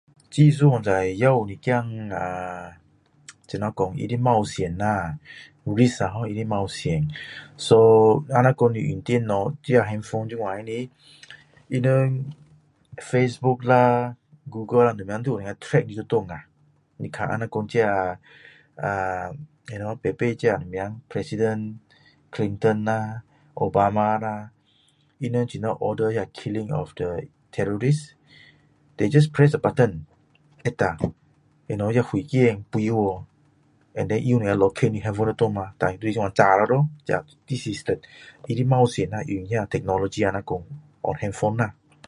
技术反正，也有一点怎么说它的冒险啦。有的时候的冒险。so如那说你用电脑，这handphone这样不是，他们Facebook啦，Google什么的那会能够track你在哪啊。你看那很像，you know次次这什么President，clinton, obama，他们怎样order 那killing of the terrorist，they just press a button, press啦，you know 那火箭飞啦过，它能够locate你在哪里， 它就会炸了。这个system的冒险咯，用那个technology用handphone啦。